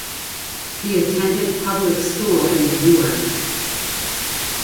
He attended public school in Newark.